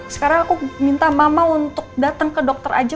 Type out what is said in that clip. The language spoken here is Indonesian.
sekarang aku minta mama untuk datang ke dokter aja